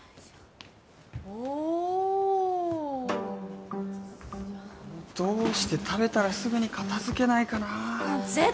おおどうして食べたらすぐに片づけないかな？ぜ